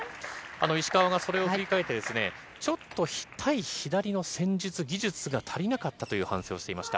石川がそれを振り返って、ちょっと対左の戦術、技術が足りなかったという反省をしていました。